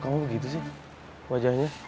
kamu begitu sih wajahnya